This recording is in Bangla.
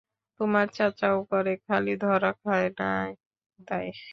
তোমার চাচাও করে, খালি ধরা খায় নায়, তাই।